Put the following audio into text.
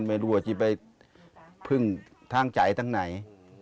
ไม่รู้ว่าจะไปพึ่งทางใจทั้งไหน